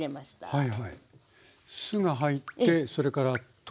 はい。